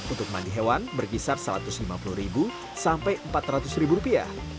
untuk mandi hewan berkisar satu ratus lima puluh sampai empat ratus rupiah